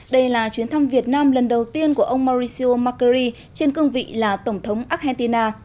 đây là chuyến thăm việt nam lần đầu tiên của ông mauricio macri trên cương vị là tổng thống argentina